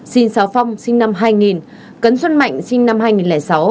xin sáu phong sinh năm hai nghìn cấn xuân mạnh sinh năm hai nghìn sáu